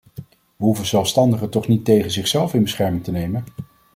We hoeven zelfstandigen toch niet tegen zichzelf in bescherming te nemen.